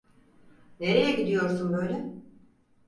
Nereye gidiyorsun böyle?